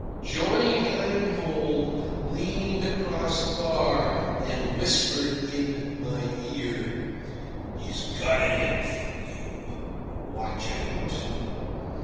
Johnny Heinhold leaned across the bar and whispered in my ear, "He's got it in for you. Watch out."